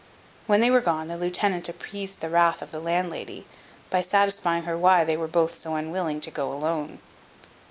When they were gone, the lieutenant appeased the wrath of the landlady, by satisfying her why they were both so unwilling to go alone.